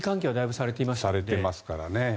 されていますからね。